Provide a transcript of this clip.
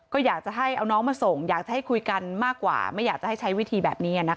ก็อยากจะให้เอาน้องมาส่งอยากจะให้คุยกันมากกว่าไม่อยากจะให้ใช้วิธีแบบนี้นะคะ